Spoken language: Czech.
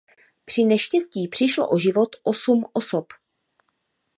Při neštěstí přišlo o život osm osob.